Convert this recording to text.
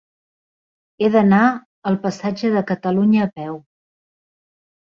He d'anar al passatge de Catalunya a peu.